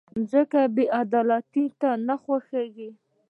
مځکه بېعدالتۍ ته نه خوښېږي.